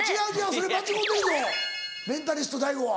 それ間違うてるぞメンタリストＤａｉＧｏは。